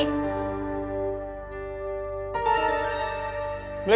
saya mau pergi